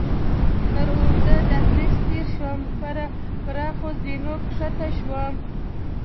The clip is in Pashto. تر اوږده دهلېز تېر شوم، پر پراخو زینو کښته شوم.